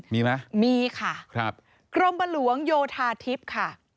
มีไหมมีค่ะครับกรมบหลวงโยธาทิพย์ค่ะ